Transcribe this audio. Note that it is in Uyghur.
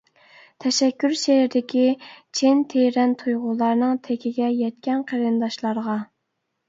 تەشەككۈر شېئىردىكى چىن، تېرەن تۇيغۇلارنىڭ تېگىگە يەتكەن قېرىنداشلارغا!